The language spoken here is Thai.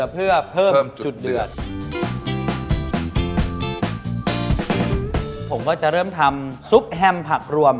ผมจะเริ่มทำซุปแฮมผักรวม